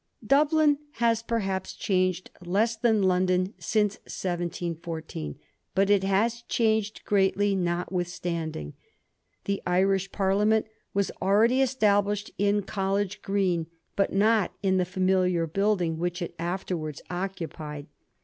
Dublin has perhaps changed less than London since 1714, but it has changed greatly notwithstand ing. The Irish Parliament was already established in College Green, but not in the femiliar building which it afterwards occupied.